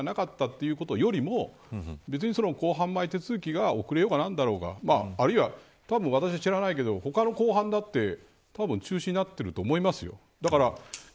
結果的に何もなかったあるいはそうではなかったということよりも別に公判前手続きが遅れようがなんだろうがあるいは、私は知らないけど他の公判だってたぶん中止になってると思いますよ。